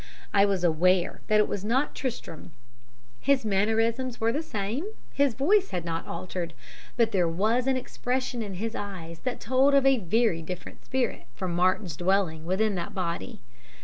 I was aware that it was not Tristram. His mannerisms were the same, his voice had not altered; but there was an expression in his eyes that told of a very different spirit from Martin's dwelling within that body.